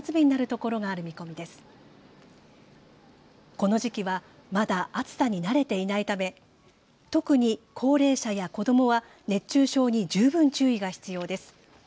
この時期は、まだ暑さに慣れていないため特に高齢者や子どもは熱中症に十分注意が必要です。